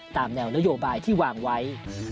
ตามแนวนโยบายที่วางไว้